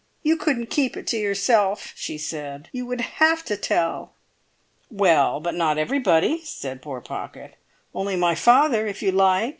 "You couldn't keep it to yourself," she said. "You would have to tell." "Well, but not everybody," said poor Pocket. "Only my father, if you like!"